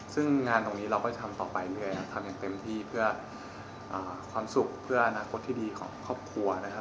ซึ่งงานตรงนี้เราก็จะทำต่อไปเรื่อยนะครับทำอย่างเต็มที่เพื่อความสุขเพื่ออนาคตที่ดีของครอบครัวนะครับ